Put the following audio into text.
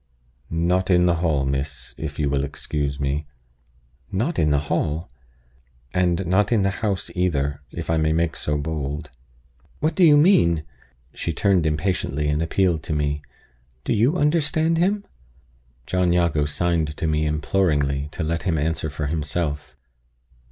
"Not in the hall, miss, if you will excuse me." "Not in the hall!" "And not in the house either, if I may make so bold." "What do you mean?" She turned impatiently, and appealed to me. "Do you understand him?" John Jago signed to me imploringly to let him answer for himself.